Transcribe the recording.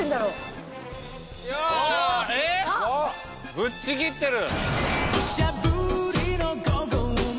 ぶっちぎってる！